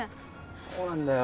そうなんだよ。